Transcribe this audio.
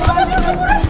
ayo pergi caranya